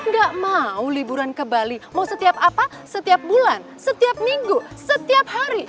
gak mau liburan ke bali mau setiap apa setiap bulan setiap minggu setiap hari